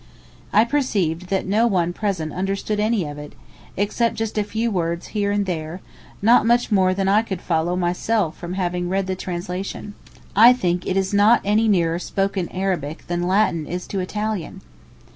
I perceived that no one present understood any of it, except just a few words here and there—not much more than I could follow myself from having read the translation. I think it is not any nearer spoken Arabic than Latin is to Italian.